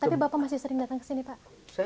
tapi bapak masih sering datang ke sini pak